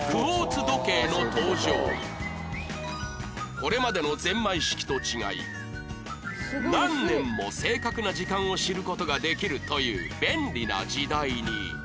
これまでのゼンマイ式と違い何年も正確な時間を知る事ができるという便利な時代に